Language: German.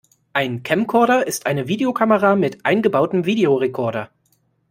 Ein Camcorder ist eine Videokamera mit eingebautem Videorekorder.